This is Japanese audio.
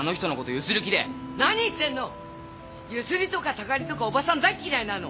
強請りとかたかりとかおばさん大嫌いなの！